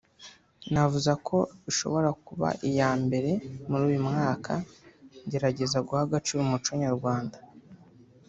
navuza ko ishobora kuba iya mbere muri uyu mwaka ngerageza guha agaciro umuco Nyarwanda